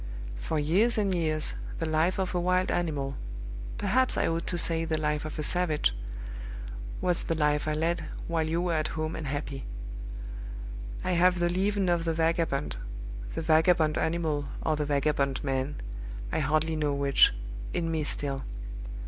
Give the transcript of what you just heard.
For years and years, the life of a wild animal perhaps I ought to say, the life of a savage was the life I led, while you were at home and happy. I have the leaven of the vagabond the vagabond animal, or the vagabond man, I hardly know which in me still.